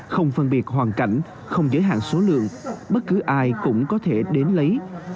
không phân biệt hoàn cảnh không giới hạn số lượng bất cứ ai cũng có thể đến lấy